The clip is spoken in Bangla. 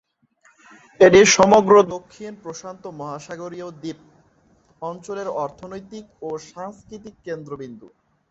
এটি সমগ্র দক্ষিণ প্রশান্ত মহাসাগরীয় দ্বীপ অঞ্চলের অর্থনৈতিক ও সাংস্কৃতিক কেন্দ্রবিন্দু।